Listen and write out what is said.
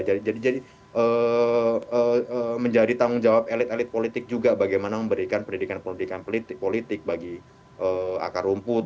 jadi menjadi tanggung jawab elit elit politik juga bagaimana memberikan pendidikan pendidikan politik bagi akar rumput